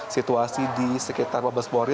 situasi di sekitar wabasbori